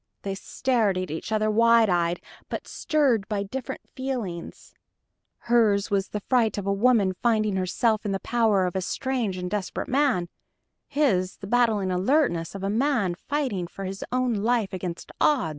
They stared at each other wide eyed but stirred by different feelings. Hers was the fright of a woman finding herself in the power of a strange and desperate man; his the battling alertness of a man fighting for his own life against odds.